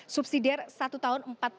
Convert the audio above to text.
subsidiary satu tahun penjara